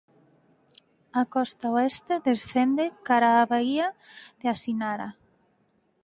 A costa oeste descende cara á baía de Asinara.